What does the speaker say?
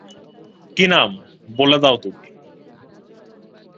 কী নাম, বলে দাও তুমি।